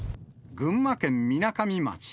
群馬県みなかみ町。